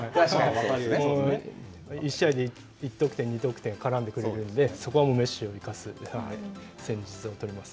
１試合で１得点、２得点と絡んでくれるので、そこはメッシを生かす戦術を取ります。